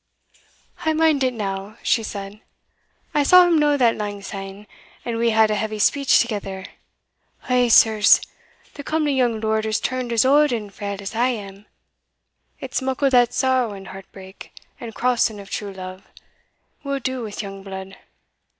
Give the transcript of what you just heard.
"I mind it now," she said; "I saw him no that langsyne, and we had a heavy speech thegither. Eh, sirs! the comely young lord is turned as auld and frail as I am: it's muckle that sorrow and heartbreak, and crossing of true love, will do wi' young blood.